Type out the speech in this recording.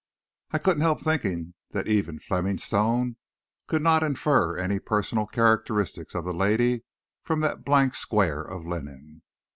I couldn't help thinking that even Fleming Stone could not infer any personal characteristics of the lady from that blank square of linen.